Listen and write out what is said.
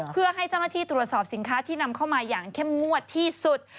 เพื่อให้เจ้าหน้าที่ตรวจสอบสินค้าที่นำเข้ามาอย่างเข้มงวดที่สุด